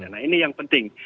nah ini yang penting